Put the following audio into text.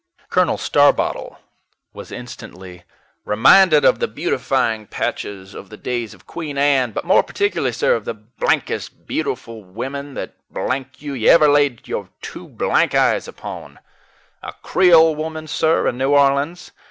Colonel Starbottle was instantly "reminded of the beautifying patches of the days of Queen Anne, but more particularly, sir, of the blankest beautiful women that, blank you, you ever laid your two blank eyes upon a Creole woman, sir, in New Orleans.